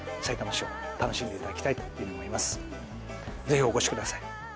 是非お越しください。